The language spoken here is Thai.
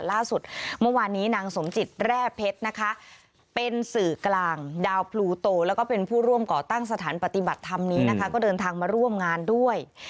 ล่าสุดเมื่อวานนี้นางสมจิตแร่เพชรนะคะเป็นสื่อกลางดาวพลูโตแล้วก็เป็นผู้ร่วมก่อตั้งสถานปฏิบัติธรรมนี้นะคะก็เดินทางมาร่วมงานด้วย